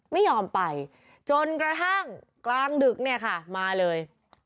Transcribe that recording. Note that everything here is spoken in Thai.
ไม่ยอมไปจนกระทั่งกลางดึกเนี่ยค่ะมาเลย